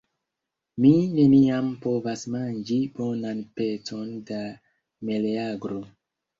Mi neniam povas manĝi bonan pecon da meleagro.